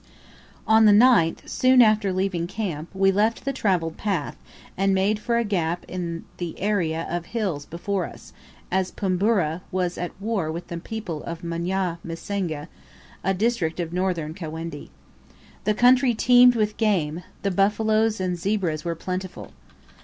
On the 9th, soon after leaving camp, we left the travelled path, and made for a gap in the are of hills before us, as Pumburu was at war with the people of Manya Msenge, a district of northern Kawendi. The country teemed with game, the buffaloes and zebras were plentiful.